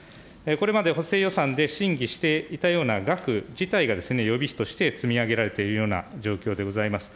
これまで補正予算で審議していたような額自体がですね、予備費として積み上げられているような状況でございます。